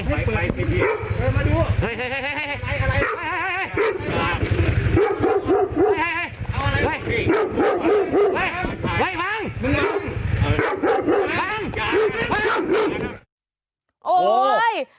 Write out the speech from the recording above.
เฮ้ยเฮ้ย